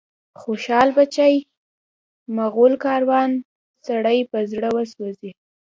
خوشال بچي، مغول کاروان، سړی په زړه وسوځي